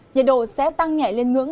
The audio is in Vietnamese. nhiệt độ sẽ tăng nhẹ lên ngưỡng